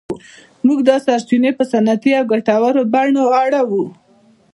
موږ دا سرچینې په صنعتي او ګټورو بڼو اړوو.